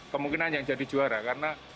kemungkinan yang jadi juara karena